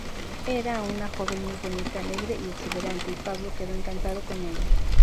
Era una joven muy bonita, alegre y exuberante, y Pablo quedó encantado con ella.